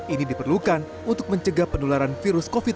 ini diperlukan untuk mencegah penularan virus covid sembilan belas